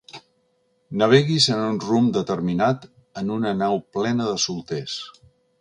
Naveguis en un rumb determinat en una nau plena de solters.